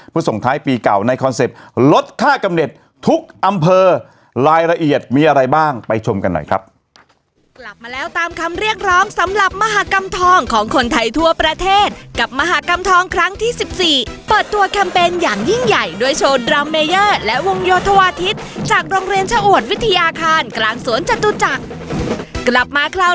เพื่อส่งท้ายปีเก่าในคอนเซ็ปต์ลดค่ากำเน็ตทุกอำเภอรายละเอียดมีอะไรบ้างไปชมกันหน่อยครับ